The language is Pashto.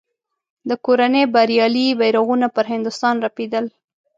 د کورنۍ بریالي بیرغونه پر هندوستان رپېدل.